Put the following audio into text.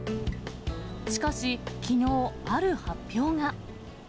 しかし、きのう、ある発表が。